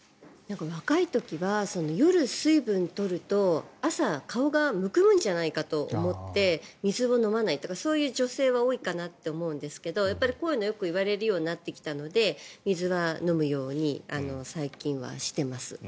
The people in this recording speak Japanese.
若い時は夜、水分を取ると朝、顔がむくむんじゃないかと思って水を飲まないとかそういう女性は多いかなと思うんですけどこういうのをいわれるようになってきたので水は飲むように最近はしています。